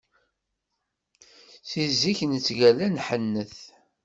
Si zik nettgalla nḥennet.